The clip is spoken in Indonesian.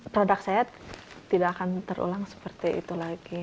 produk saya tidak akan terulang seperti itu lagi